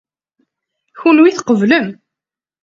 Kunwi tqeblem.